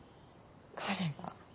彼が？